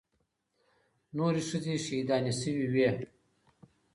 نورې ښځې شهيدانې سوې وې.